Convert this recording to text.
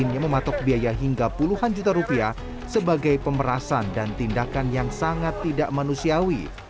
yang mematok biaya hingga puluhan juta rupiah sebagai pemerasan dan tindakan yang sangat tidak manusiawi